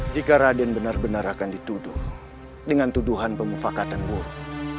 jika raden benar benar akan dituduh dengan tuduhan pemufakatan buruk